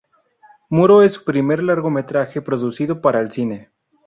Muro es su primer largometraje producido para el cine.